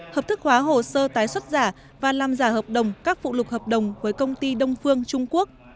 hợp thức hóa hồ sơ tái xuất giả và làm giả hợp đồng các phụ lục hợp đồng với công ty đông phương trung quốc